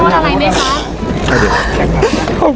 ระวังระหวัง๕๕